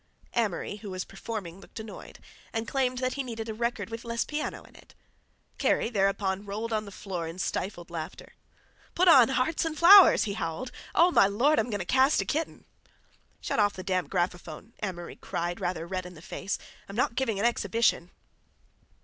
Amory, who was performing, looked annoyed, and claimed that he needed a record with less piano in it. Kerry thereupon rolled on the floor in stifled laughter. "Put on 'Hearts and Flowers'!" he howled. "Oh, my Lord, I'm going to cast a kitten." "Shut off the damn graphophone," Amory cried, rather red in the face. "I'm not giving an exhibition."